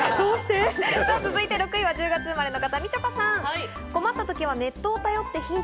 ６位は１０月生まれの方、みちょぱさん。